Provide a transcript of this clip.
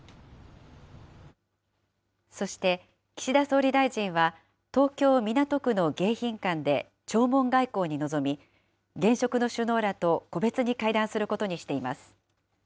そして、岸田総理大臣は、東京・港区の迎賓館で弔問外交に臨み、現職の首脳らと個別に会談することにしています。